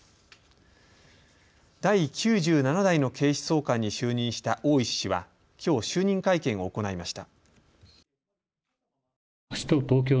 第９７代の警視総監に就任した大石氏はきょう就任会見を行いました。